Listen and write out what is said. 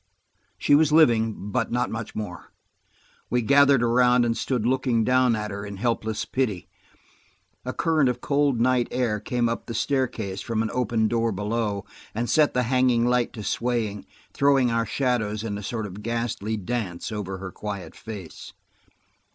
She was living, but not much more. We gathered around and stood looking down at her in helpless pity. A current of cold night air came up the staircase from an open door below and set the hanging light to swaying, throwing our shadows in a sort of ghastly dance over her quiet face.